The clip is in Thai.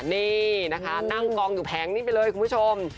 นี่นะคะนั่งกองอยู่แผงนี้ไปเลยคุณผู้ชม